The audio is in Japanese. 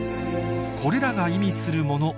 これらが意味するもの